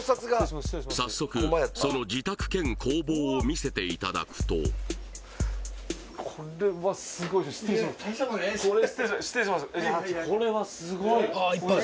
早速その自宅兼工房を見せていただくと失礼します